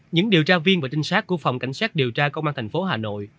những điều tra viên và trinh sát của phòng cảnh sát điều tra công an thành phố hà nội